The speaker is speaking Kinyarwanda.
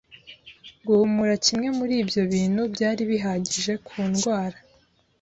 Guhumura kimwe muri ibyo bintu byari bihagije kundwara.